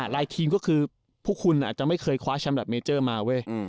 รายทีมก็คือพวกคุณอาจจะไม่เคยคว้าชำแบบเมเจอร์มา